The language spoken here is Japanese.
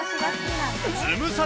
ズムサタ